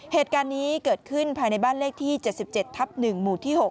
เหตุการณ์นี้เกิดขึ้นภายในบ้านเลขที่๗๗ทับ๑หมู่ที่๖